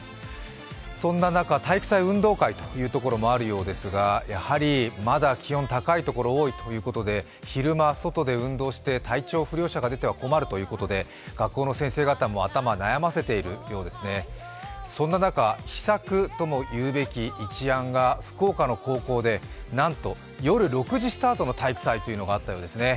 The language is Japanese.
そんな中、体育祭、運動会というところもあるようですがやはりまだ、気温高いところが多いということで昼間、外で運動して体調不良者が出ては困るということで学校の先生方も頭を悩まされているようですね、そんな中、秘策ともいうべき一案が福岡の高校でなんと夜６時スタートの体育祭というのがあったようですね。